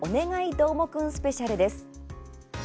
どーもくんスペシャル」です。